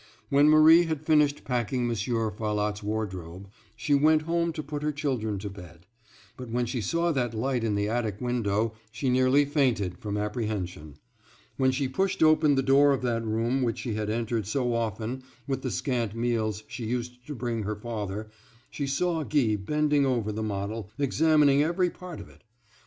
When Marie had finished packing Monsieur Farlotte's wardrobe, she went home to put her children to bed; but when she saw that light in the attic window she nearly fainted from apprehension. When she pushed open the door of that room which she had entered so often with the scant meals she used to bring her father, she saw Guy bending over the model, examining every part of it.